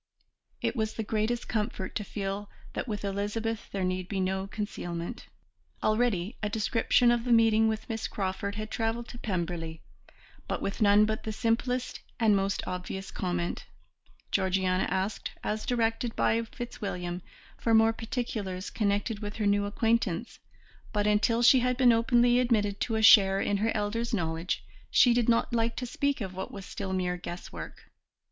It was the greatest comfort to feel that with Elizabeth there need be no concealment. Already a description of the meeting with Miss Crawford had travelled to Pemberley, but with none but the simplest and most obvious comment; Georgiana asked, as directed by Fitzwilliam, for more particulars connected with her new acquaintance, but until she had been openly admitted to a share in her elders' knowledge she did not like to speak of what was still mere guesswork.